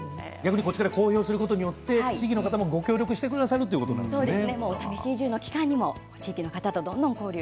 こちらから公表することによって地域の方もご協力してくださるんですね。